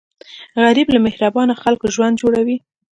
غریب له مهربانه خلکو ژوند جوړوي